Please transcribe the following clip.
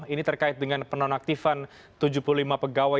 ini terkait dengan penonaktifan tujuh puluh lima pegawai